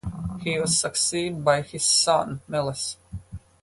He was succeeded by his son, Meles.